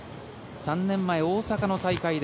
３年前、大阪の大会で。